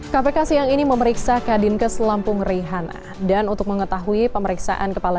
hai kpk siang ini memeriksa kadinkes lampung rehana dan untuk mengetahui pemeriksaan kepala